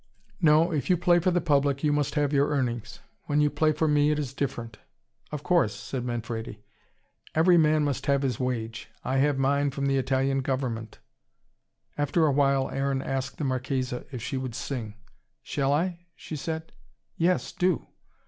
"No. If you play for the public, you must have your earnings. When you play for me, it is different." "Of course," said Manfredi. "Every man must have his wage. I have mine from the Italian government " After a while, Aaron asked the Marchesa if she would sing. "Shall I?" she said. "Yes, do."